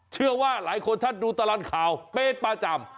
เชื่อว่าหลายคนช่วยดูตลาดข่าวเพศประจำ